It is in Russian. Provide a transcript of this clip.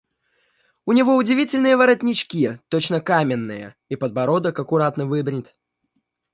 У него удивительные воротнички, точно каменные, и подбородок аккуратно выбрит.